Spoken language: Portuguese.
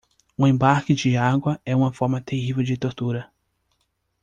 O embarque de água é uma forma terrível de tortura.